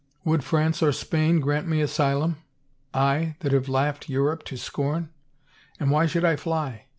"Would France or Spain grant me asylum — I, that have laughed Europe to scorn? And why should I fly?